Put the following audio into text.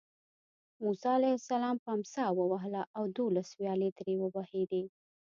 موسی علیه السلام په امسا ووهله او دولس ویالې ترې وبهېدې.